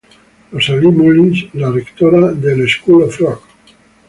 Rosalie Mullins, la rectora del School of Rock.